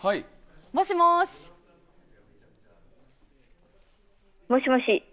もしもし！もしもし。